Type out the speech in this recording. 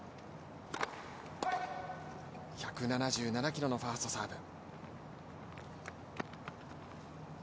１７７キロのファーストサーブ。